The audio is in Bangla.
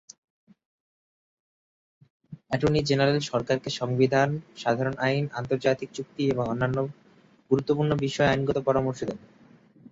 অ্যাটর্নি জেনারেল সরকারকে সংবিধান, সাধারণ আইন, আন্তর্জাতিক চুক্তি এবং অন্যান্য গুরুত্বপূর্ণ বিষয়ে আইনগত পরামর্শ দেন।